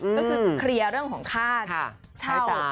ก็คือเคลียร์เรื่องของค่าเช่า